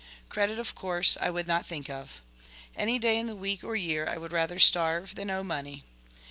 Credit, of course, I would not think of. Any day in the week or year, I would rather starve than owe money.